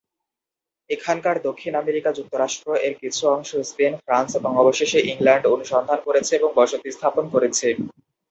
এখনকার দক্ষিণ আমেরিকা যুক্তরাষ্ট্র এর কিছু অংশে স্পেন, ফ্রান্স এবং অবশেষে ইংল্যান্ড অনুসন্ধান করেছে এবং বসতি স্থাপন করেছে।